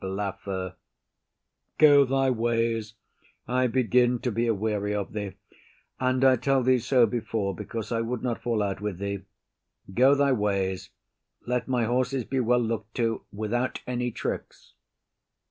LAFEW. Go thy ways, I begin to be a weary of thee; and I tell thee so before, because I would not fall out with thee. Go thy ways; let my horses be well look'd to, without any tricks.